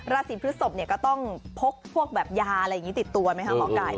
รสิทธิพฤษภพก็ต้องพกพวกอย่างมองกายติดตัวได้ไหม